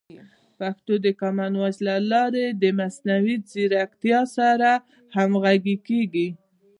پښتو د کامن وایس له لارې د مصنوعي ځیرکتیا سره همغږي کیږي.